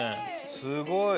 すごい！